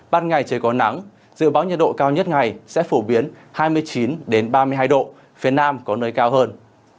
ban ngày trời có nắng dự báo nhiệt độ cao nhất ngày sẽ phổ biến hai mươi chín ba mươi hai độ phía nam có nơi cao hơn